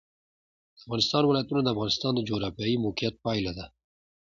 د افغانستان ولايتونه د افغانستان د جغرافیایي موقیعت پایله ده.